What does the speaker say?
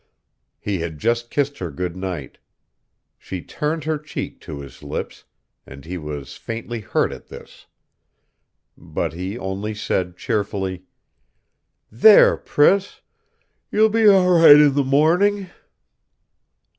He had just kissed her good night. She turned her cheek to his lips; and he was faintly hurt at this. But he only said cheerfully: "There, Priss.... You'll be all right in the morning...."